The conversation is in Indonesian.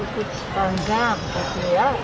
itu bangga begitu ya